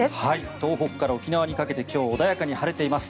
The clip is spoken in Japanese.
東北から沖縄にかけて今日、穏やかに晴れています。